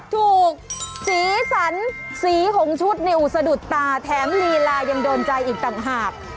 ถูกสีสันสีหงชุดในอุศดุตาแถมลีลายังโดนใจอีกต่างหาก